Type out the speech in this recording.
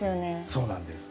そうなんです。